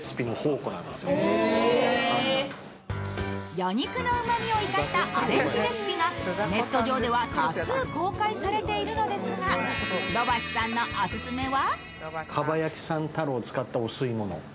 魚肉のうまみを生かしたアレンジレシピがネット上では多数公開されているのですが、土橋さんのオススメは？